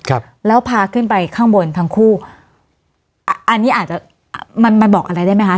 ครับแล้วพาขึ้นไปข้างบนทั้งคู่อันนี้อาจจะมันมันบอกอะไรได้ไหมคะ